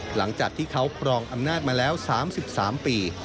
หลังจากที่เขาครองอำนาจมาแล้ว๓๓ปี